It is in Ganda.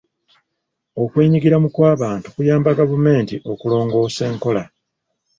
Okwenyigiramu kw'abantu kuyamba gavumenti okulongoosa enkola.